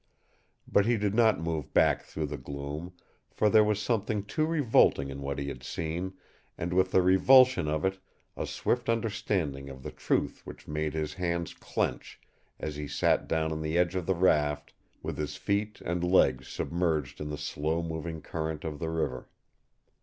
But he did not move back through the gloom, for there was something too revolting in what he had seen, and with the revulsion of it a swift understanding of the truth which made his hands clench as he sat down on the edge of the raft with his feet and legs submerged in the slow moving current of the river.